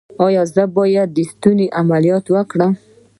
ایا زه باید د ستوني عملیات وکړم؟